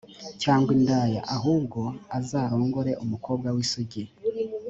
cyangwa indaya. ahubwo azarongore umukobwa w’ isugi